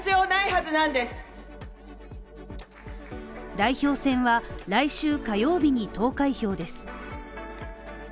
代表戦は来週火曜日に投開票です。